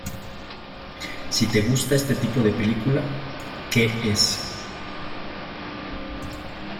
Si te gusta este tipo de película, que es".